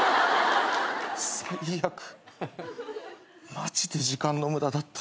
マジで時間の無駄だった。